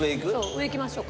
上行きましょうか。